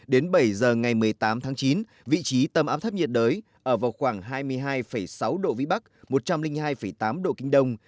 đến bảy giờ ngày một mươi tám tháng chín vị trí tâm áp thấp nhiệt đới ở vào khoảng hai mươi hai sáu độ vĩ bắc một trăm linh hai tám độ kinh đông